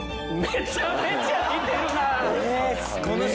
めちゃめちゃ似てる！